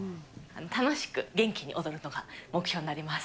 楽しく元気に踊るのが、目標になります。